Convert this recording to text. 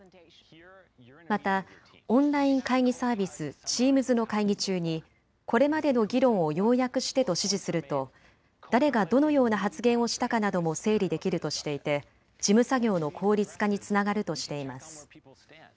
またオンライン会議サービス、チームズの会議中にこれまでの議論を要約してと指示すると誰がどのような発言をしたかなども整理できるとしていて事務作業の効率化につながるとしています。